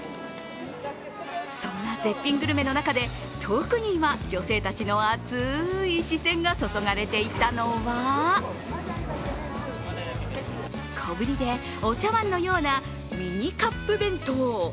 そんな絶品グルメの中で特に今、女性たちの熱い視線が注がれていたのはこぶりでお茶わんのようなミニカップ弁当。